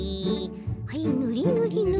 はいぬりぬりぬり。